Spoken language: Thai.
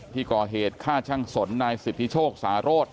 ที่ก่อเหตุฆ่าช่างสนนายสิทธิโชคสารโรธ